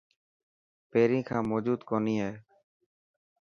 پهرين کان موجون ڪوني هي.